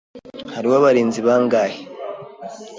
Hariho abarinzi bangahe?